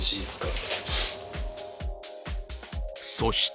そして